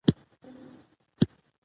که ښځه عاید ولري، نو مالي فشار کمېږي.